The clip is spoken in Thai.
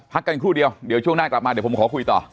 กันครู่เดียวเดี๋ยวช่วงหน้ากลับมาเดี๋ยวผมขอคุยต่อ